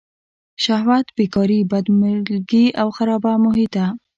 شهوت، بېکاري، بد ملګري او خرابه محیطه.